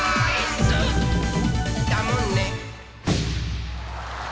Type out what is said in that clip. だもんね。